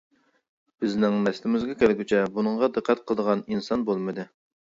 بىزنىڭ نەسلىمىزگە كەلگۈچە، بۇنىڭغا دىققەت قىلىدىغان ئىنسان بولمىدى.